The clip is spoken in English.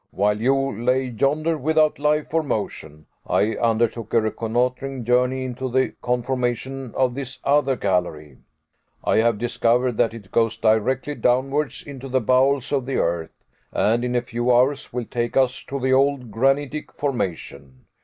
"While you lay yonder without life or motion, I undertook a reconnoitering journey into the conformation of this other gallery. I have discovered that it goes directly downwards into the bowels of the earth, and in a few hours will take us to the old granitic formation.